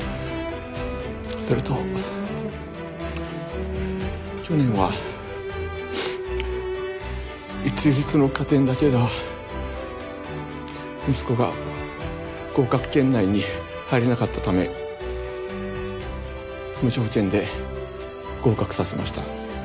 それと去年は一律の加点だけでは息子が合格圏内に入れなかったため無条件で合格させました。